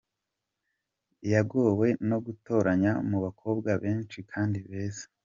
Yagowe no gutoranya mu bakobwa benshi kandi beza.